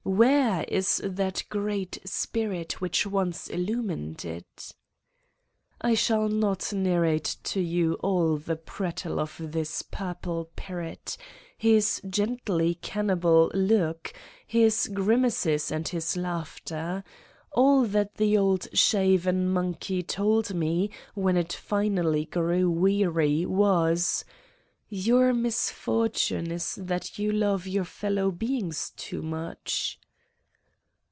Where is. that great Spirit which once illumined it?" I shall not narrate to you all the prattle of this purple parrot, his gently cannibal look, his grim aces and his laughter. All that the old shaven monkey told me when it finally grew weary was : "Your misfortune is that you love your fellow beings too much.